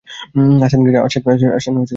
আসেন, মির্জা।